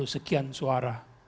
delapan puluh sekian suara